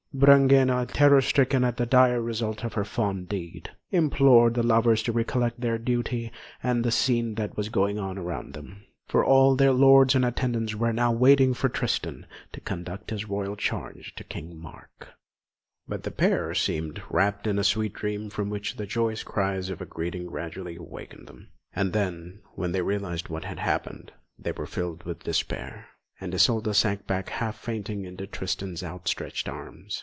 Brangæna, terror stricken at the dire result of her fond deed, implored the lovers to recollect their duty and the scene that was going on around them, for all their lords and attendants were now waiting for Tristan to conduct his royal charge to King Mark. But the pair seemed wrapped in a sweet dream from which the joyous cries of greeting gradually awakened them; and then, when they realised what had happened, they were filled with despair, and Isolda sank back half fainting into Tristan's outstretched arms.